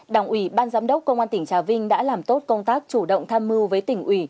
đảng ủy ban giám đốc công an tỉnh trà vinh đã làm tốt công tác chủ động tham mưu với tỉnh ủy